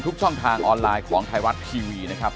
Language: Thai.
ทุกช่องทางออนไลน์ของไทยรัฐทีวีนะครับ